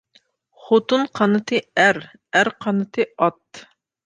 خوتۇن قانىتى ئەر، ئەر قانىتى ئات.